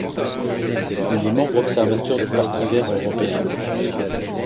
Il est membre observateur du Parti vert européen.